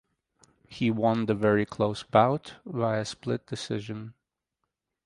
He won the very close bout via split decision.